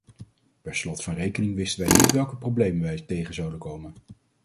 Per slot van rekening wisten wij niet welke problemen wij tegen zouden komen.